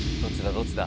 どっちだ？